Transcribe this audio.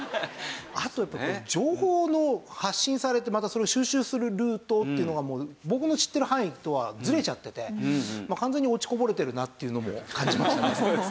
あとやっぱり情報の発信されてまたそれを収集するルートっていうのが僕の知ってる範囲とはずれちゃってて完全に落ちこぼれてるなっていうのも感じましたね。